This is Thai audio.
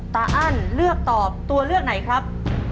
อั้นเลือกตอบตัวเลือกไหนครับ